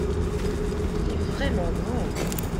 Il est vraiment grand.